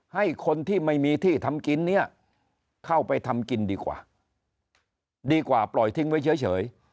ให้คนที่ไม่มีที่ทำกินเนี่ยเข้าไปทำกินดีกว่าดีกว่าปล่อยทิ้งไว้เฉย